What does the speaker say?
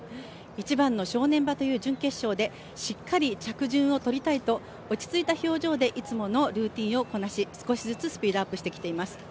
一番の正念場という準決勝でしっかり着順をとりたいと落ち着いた表情でいつものルーチンをこなし少しずつスピードアップしてきています。